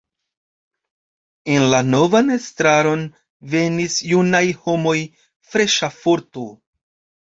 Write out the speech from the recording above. En la novan estraron venis junaj homoj, freŝa forto.